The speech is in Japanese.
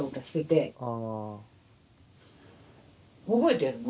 覚えてるの？